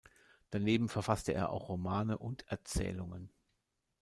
Daneben verfasste er auch Romane und Erzählungen.